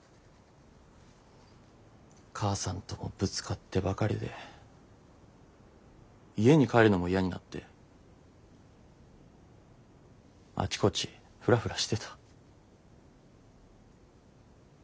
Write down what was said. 母さんともぶつかってばかりで家に帰るのも嫌になってあちこちフラフラしてた。